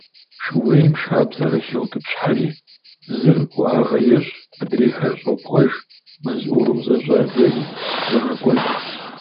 Шууейм шабзэр яхеутӀыпщхьэри зыр уӀэгъэ ещӀ, адрейхэр щӀопхъуэж, мэз Ӏувым зыщӀадзэри, загъэкӀуэд.